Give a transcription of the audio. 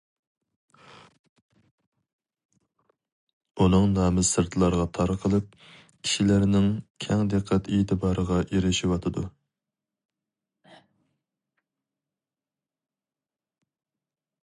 ئۇنىڭ نامى سىرتلارغا تارقىلىپ، كىشىلەرنىڭ كەڭ دىققەت ئېتىبارىغا ئېرىشىۋاتىدۇ.